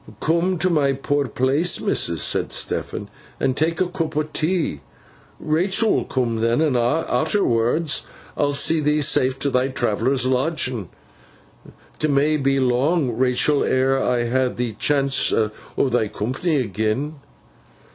'Come to my poor place, missus,' said Stephen, 'and tak a coop o' tea. Rachael will coom then; and arterwards I'll see thee safe t' thy Travellers' lodgin. 'T may be long, Rachael, ere ever I ha th' chance o' thy coompany agen.